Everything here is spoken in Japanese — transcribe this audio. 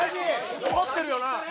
・残ってるよな？